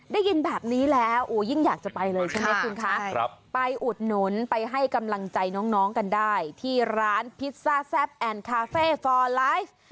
ได้ยินแบบนี้แล้วยิ่งอยากจะไปเลยใช่ไหมคุณคะไปอุดหนุนไปให้กำลังใจน้องกันได้ที่ร้านพิซซ่าแซ่บแอนดคาเฟ่ฟอร์ไลฟ์